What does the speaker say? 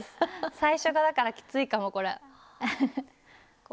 最初がだからきついかもこれ。